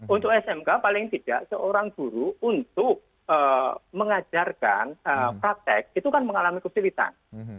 untuk smk paling tidak seorang guru untuk mengajarkan praktek itu kan mengalami kesulitan